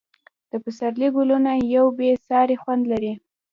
د پسرلي ګلونه یو بې ساری خوند لري.